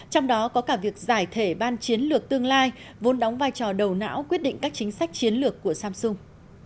trong đó có cả việc giải thể ban chiến lược tương lai vốn đóng vai trò đầu não quyết định các chính sách chiến lược của samsung